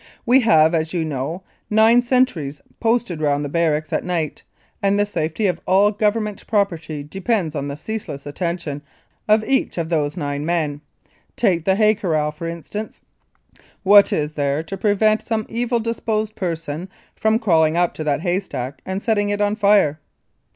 We have, as you know, nine sentries posted round the barracks at night, and the safety of all Government property depends upon the ceaseless attention of each of those nine men. Take the hay corral, for instance; what is there to prevent some evil disposed person from crawling up to that haystack and setting it on fire?